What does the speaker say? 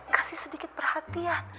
kasih sedikit perhatian